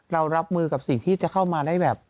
รับมือกับสิ่งที่จะเข้ามาได้แบบ